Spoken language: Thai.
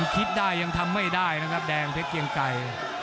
คิดได้ยังทำไม่ได้นะครับแดงเพชรเกียงไก่